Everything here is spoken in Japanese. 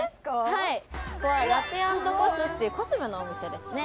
はいここはラテアンドコスっていうコスメのお店ですね。